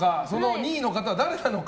２位の方は誰なのか。